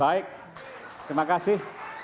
waktunya habis baik terima kasih